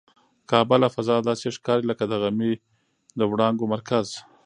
کعبه له فضا داسې ښکاري لکه د غمي د وړانګو مرکز.